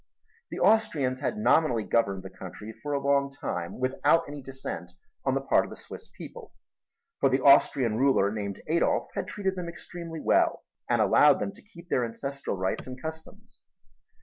The Austrians had nominally governed the country for a long time without any dissent on the part of the Swiss people, for the Austrian ruler, named Adolph, had treated them extremely well and allowed them to keep their ancestral rights and customs.